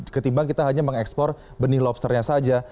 ketimbang kita hanya mengekspor benih lobsternya saja